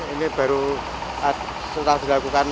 ini baru setelah dilakukan